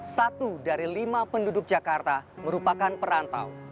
satu dari lima penduduk jakarta merupakan perantau